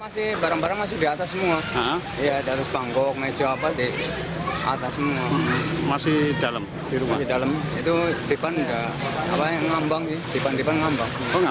sudah masuk rumah ya